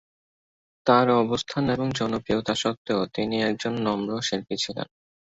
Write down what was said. তার অবস্থান এবং জনপ্রিয়তা সত্ত্বেও তিনি একজন নম্র শিল্পী ছিলেন।